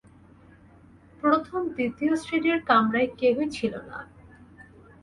প্রথম দ্বিতীয় শ্রেণীর কামরায় কেহই ছিল না।